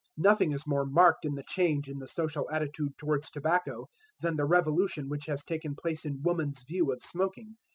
Nothing is more marked in the change in the social attitude towards tobacco than the revolution which has taken place in woman's view of smoking.